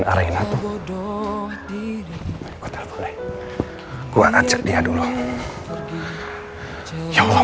halo ibu dokter sibuk ga